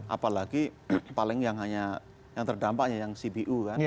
apalagi paling yang hanya yang terdampaknya yang cbu kan